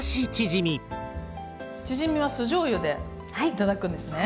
チヂミは酢じょうゆで頂くんですね。